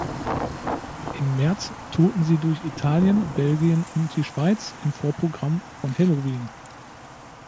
Im März tourten sie durch Italien, Belgien und die Schweiz im Vorprogramm von Helloween.